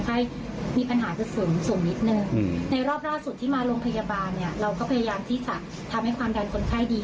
ก็คืออาจจะมีเส้นประสาทที่ไปเลี้ยงบริเวณกาอาจจะทำให้มีปัญหาได้